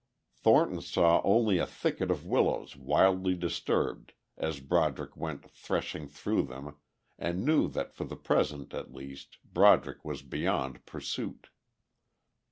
Thornton saw only a thicket of willows wildly disturbed as Broderick went threshing through them and knew that for the present at least Broderick was beyond pursuit.